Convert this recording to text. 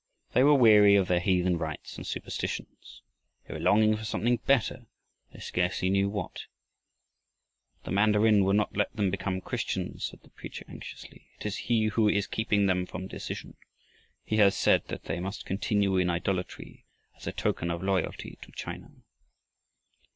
They were weary of their heathen rites and superstitions. They were longing for something better, they scarcely knew what. "But the mandarin will not let them become Christians," said the preacher anxiously. "It is he who is keeping them from decision. He has said that they must continue in idolatry, as a token of loyalty to China."